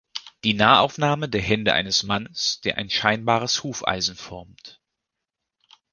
Die Nahaufnahme der Hände eines Mannes, der ein scheinbares Hufeisen formt.